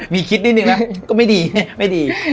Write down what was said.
มีคิดนิดนึงนะก็ไม่ดี